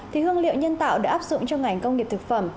thì hương liệu nhân tạo đã áp dụng cho ngành công nghiệp thực phẩm